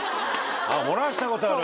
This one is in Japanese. あっ「漏らしたことある」